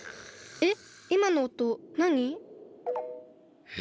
えっ！？